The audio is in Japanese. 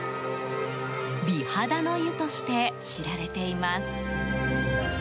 美肌の湯として知られています。